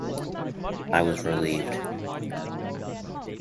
I was relieved.